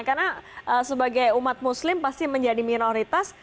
karena sebagai umat muslim pasti menjadi minoritas